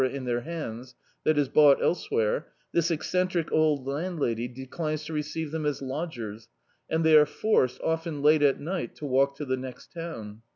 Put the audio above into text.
in their hands, that is bought elsewhere, this eccentric old landlady declines to receive them as lodgers, and they are forced, often late at night, to walk to the next town.